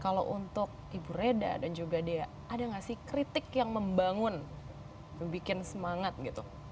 kalau untuk ibu reda dan juga dea ada nggak sih kritik yang membangun bikin semangat gitu